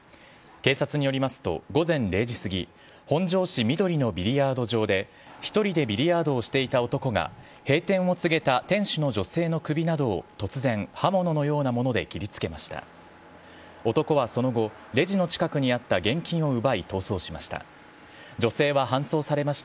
警察によりますと、午前０時過ぎ、本庄市緑のビリヤード場で、１人でビリヤードをしていた男が、閉店を告げた店主の女性の首などを突然、刃物のようなもので切りつけました。